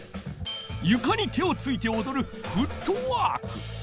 ゆかに手をついておどる「フットワーク」。